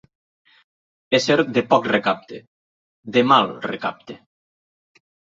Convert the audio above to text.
Ésser de poc recapte, de mal recapte.